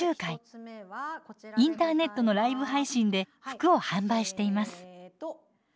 インターネットのライブ配信で服を販売しています。